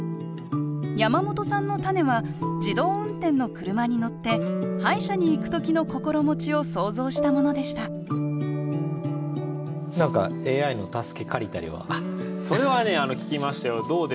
山本さんのたねは自動運転の車に乗って歯医者に行く時の心持ちを想像したものでしたそれはね聞きましたよ。